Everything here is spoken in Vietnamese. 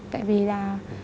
tại vì là